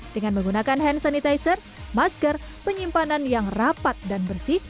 dengan menggunakan hand sanitizer masker penyimpanan yang rapat dan bersih